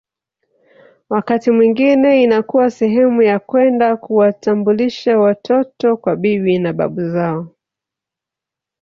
Wakati mwingine inakuwa sehemu ya kwenda kuwatambulisha watoto kwa bibi na babu zao